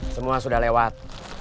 semua sudah lewat